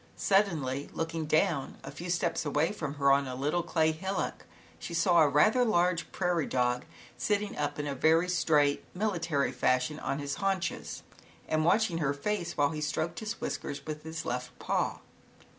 Suddenly, looking down, a few steps away from her, on a little clay hillock, she saw a rather large prairie dog, sitting up in a very straight, military fashion on his haunches and watching her face, while he stroked his whiskers with his left paw.